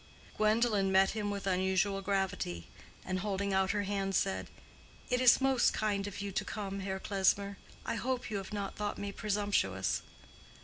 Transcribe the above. Gwendolen met him with unusual gravity, and holding out her hand said, "It is most kind of you to come, Herr Klesmer. I hope you have not thought me presumptuous."